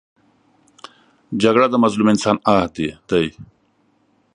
جګړه د مظلوم انسان آه دی